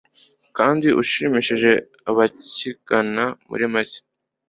kandi ushimishije abakigana muri make